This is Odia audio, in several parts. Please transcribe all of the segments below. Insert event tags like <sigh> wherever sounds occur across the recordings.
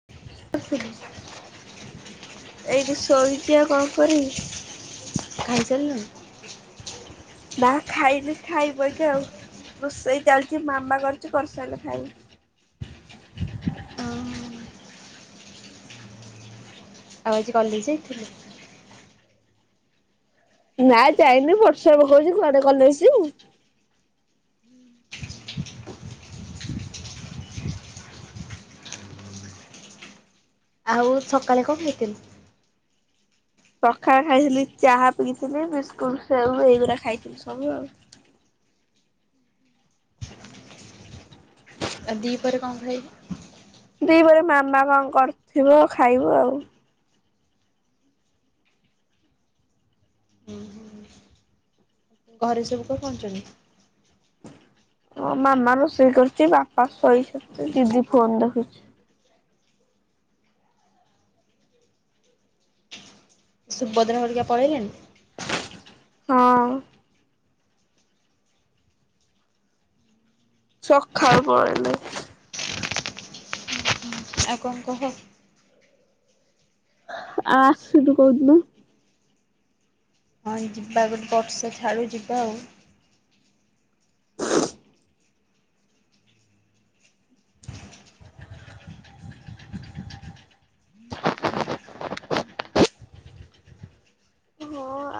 <inaudible> ଏଇଠି ଶୋଇଛି ଆଉ କଣ କରିବି। ଖାଇ ସାରିଲଣି? ନା ଖାଇନି ଖାଇବଇକି ଆଉ ରୋଷେଇ ଚାଲିଛି ମାମା କରଛି କରିସାରିଲେ ଖାଇବି। ଆଉ ଆଉ ଆଜି କଲେଜ ଯାଇଥିଲି। ନା ଯାଇନି ବର୍ଷା ପକଉଛି କୁଆଡେ କଲେଜ ଯିବୁ। ଆଉ ସକାଳେ କଣ ଖାଇଥିଲୁ? ସକାଳେ ଖାଇଥିଲି ଚାହା ପିଇଥିଲି ବିସ୍କୁଟ ସେଉ ଏଇଗୁଡା ଖାଇଥିଲି ସବୁ ଆଉ। ଆଉ ଦି ପହରେ କଣ ଖାଇବୁ। ଦି ପହରେ ମାମା କଣ କରିଥିବ ଖାଇବୁ ଆଉ। ହୁଁ ହ ଘରେ ସବୁ କଣ କରୁଛନ୍ତି। ମଁ ମାମା ରୋଷେଇ କରୁଛି ବାପା ଶୋଇଛନ୍ତି ଦିଦି ଫୋନ ଦେଖୁଛି। ସୁଭଦ୍ରା ହରିକା ପଳେଇଲେନି। ହଁ। ସକାଳୁ ପଳେଇଲେ। ଆଉ କଣ କୁହ। ଆ ଆସିଲୁ କଉ ଦିନ। ହଁ ଯିବା ଗୋଟେ ବର୍ଷା ଛାଡୁ ଯିବା ଆଉ। <inaudible> <inaudible>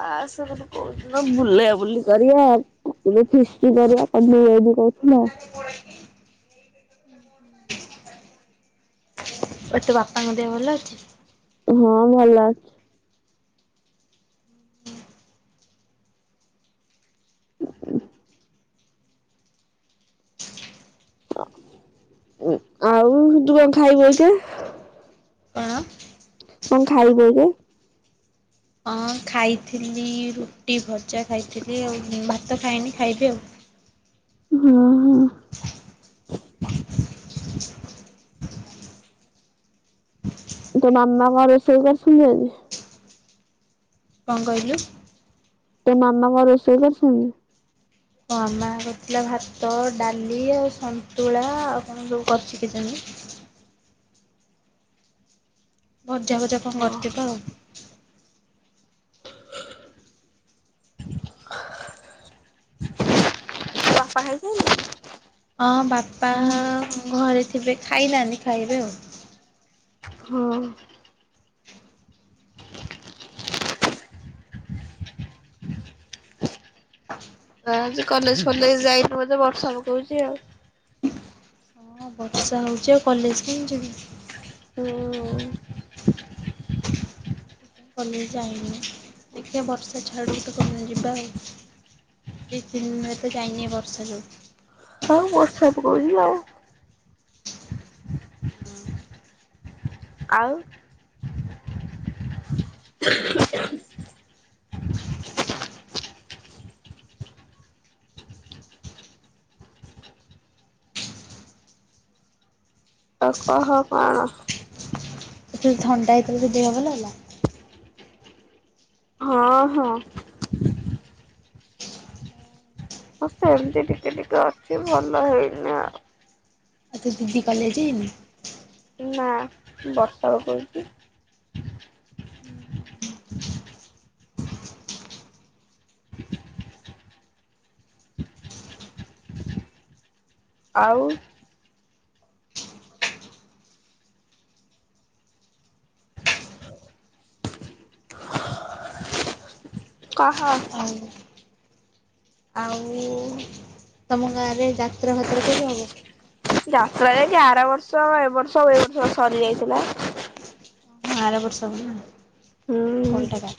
ଆସ। କହୁଥିଲ ବୁଲାବୁଲି କରିବା ପୁଣି ଫିଷ୍ଟି କରିବା <unintelligible> କହୁଥିଲା <inaudible> ଆଉ ତୋ ବାପାଙ୍କ ଦେହ ଭଲ ଅଛି। ହଁ ଭଲ ଅଛି। <inaudible> ଆଉ ତୁ କଣ ଖାଇବୁ ଏଇଖିଣା? କଣ? କଣ ଖାଇବୁ ଏଇଖିଣା? ହଁ ଖାଇଥିଲି ରୁଟି ଭଜା ଖାଇଥିଲି ଆଉ ଭାତ ଖାଇନି ଖାଇବି ଆଉ। ହୁଁ ଉଁ। ତୋ ମାମା କଣ ରୋଷେଇ କରିଛନ୍ତି ଆଜି? କଣ କହିଲୁ? ତୋ ମାମା କଣ ରୋଷେଇ କରିଛନ୍ତି? ମୋ ମାମା କରିଥିଲା ଭାତ ଡାଲି ଆଉ ସନ୍ତୁଳା ଆଉ କଣ ସବୁ କରଛି କେଜାଣି ଭଜା ଭଜା କଣ ହଁ କରିଚୁ କହ? ପାହାରି ସାଇଲୁଣି। ହଁ ବାପା ଘରେ ଥିବେ ଖାଇନାହାନ୍ତି ଖାଇବେ ଆଉ। ହଁ। ହଁ ଆଜି କଲେଜ ଫଲେଜ ଯାଇନୁ ବୋଧେ ବର୍ଷା ପକୋଉଚି ଆଉ। ହଁ ବର୍ଷା ହଉଛି ଆଉ କଲେଜ କେମିତି ଯିବି। ହୁଁ। କଲେଜ୍ ଯାଇନି ଦେଖିଆ ବର୍ଷା ଛାଡ଼ୁ ଗୋଟେ କୋଉଦିନ ଯିବା ଆଉ। ଦି ତିନି ଏ ତ ଯାଇନି ଏ ବର୍ଷା ଯୋଗୁଁ। ଆଉ ବର୍ଷା ପକୋଉଚି ଆଉ। ଆଉ। ହ ଆଉ କହ କଣ? ଯୋଉ ଥଣ୍ଡା ହେଇଥିଲା ତୋ ଦେହ ଭଲ ହେଲା। ହଁ ହଁ। ହଁ ସେମିତି ଟିକେ ଟିକେ ଅଛି ଭଲ ହେଇନି ଆଉ। ଆଉ ତୋ ଦିଦି କଲେଜ ଯାଇନି। ନା ବର୍ଷା ପକୋଉଚି। ହୁଁ। ଆଉ। କହ। ଆଉ। ଆଉ ତମ ଗାଁରେ ଯାତ୍ରା ଫାତ୍ରା କେବେ ହବ? ଯାତ୍ରା ଯାଇକି ଆର ବର୍ଷ ଏ ବର୍ଷ ଏ ବର୍ଷ ସରି ଯାଇଥିଲା। ଆରବର୍ଷ କୁ ନା ହୁଁ କୋଡ଼ିଏ ଟଙ୍କା।